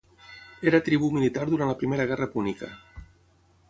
Era tribú militar durant la Primera Guerra Púnica.